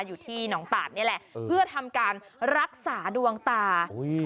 อยู่ที่หนองตาดนี่แหละเพื่อทำการรักษาดวงตาอุ้ย